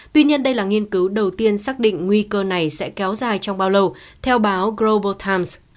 tuy nhiên đây là nghiên cứu đầu tiên xác định nguy cơ này sẽ kéo dài trong bao lâu theo báo global times